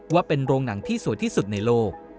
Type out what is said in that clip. ว่าเป็นโรงหนังที่สวยที่สุดในโลก